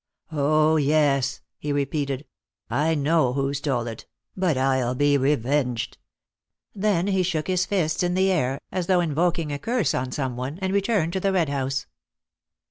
"Oh yes," he repeated; "I know who stole it, but I'll be revenged;" then he shook his fists in the air, as though invoking a curse on someone, and returned to the Red House.